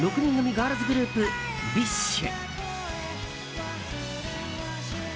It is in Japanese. ガールズグループＢｉＳＨ。